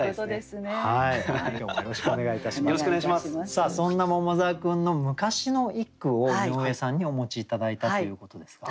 さあそんな桃沢君の昔の一句を井上さんにお持ち頂いたということですが。